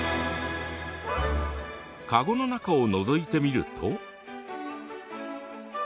籠の中をのぞいてみると。